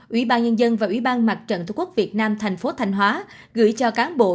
ủy ban nhân dân và ủy ban mặt trận tổ quốc việt nam thành phố thanh hóa gửi cho cán bộ